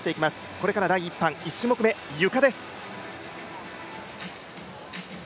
これから第１班、１種目め、ゆかです。